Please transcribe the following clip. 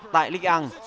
tại ligue một